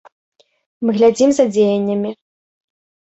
Мы глядзім за дзеяннямі.